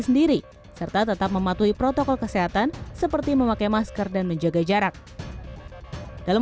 sendiri serta tetap mematuhi protokol kesehatan seperti memakai masker dan menjaga jarak dalam